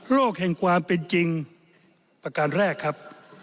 แห่งความเป็นจริงประการแรกครับ